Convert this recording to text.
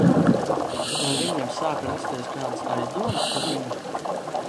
Vai viņiem sāk rasties kādas aizdomas par viņu?